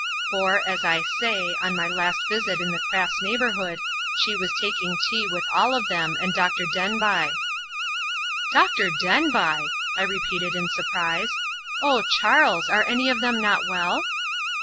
For, as I say, on my last visit in the Crafts neighborhood she was taking tea with all of them and Dr. Denbigh." "Dr. Denbigh!" I repeated, in surprise. "Oh, Charles, are any of them not well?"